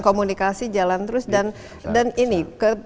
komunikasi jalan terus dan ini